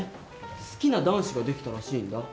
好きな男子ができたらしいんだ。